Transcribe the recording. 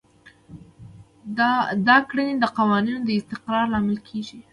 دا کړنې د قوانینو د استقرار لامل کیږي.